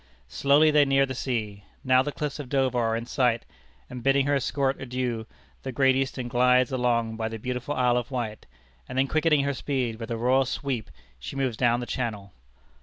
Slowly they near the sea. Now the cliffs of Dover are in sight, and bidding her escort adieu, the Great Eastern glides along by the beautiful Isle of Wight, and then quickening her speed, with a royal sweep, she moves down the Channel.